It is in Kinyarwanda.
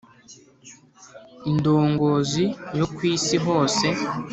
indongoozi yo ku isi hose